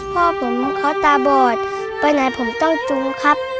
พ่อผมเขาตาบอดไปไหนผมต้องจูครับ